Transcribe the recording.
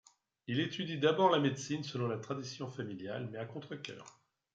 Il étudie d'abord la médecine, selon la tradition familiale, mais à contrecœur.